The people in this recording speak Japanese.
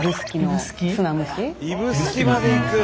指宿まで行く？